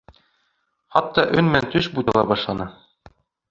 Хатта өн менән төш бутала башланы.